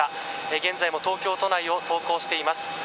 現在も東京都内を走行しています。